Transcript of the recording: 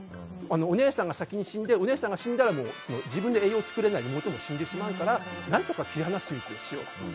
お姉さんが先に死んでお姉さんが死んだら自分で栄養を作れない妹も死んでしまうから何とか切り離す手術をしようと。